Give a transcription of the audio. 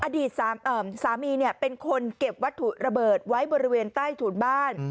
อดีตสามีเป็นคนเก็บวัตถุระเบิดไว้บริเวณใต้ถูนบ้าน